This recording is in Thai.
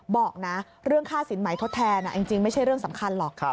บอกนะเรื่องค่าสินใหม่ทดแทนจริงไม่ใช่เรื่องสำคัญหรอก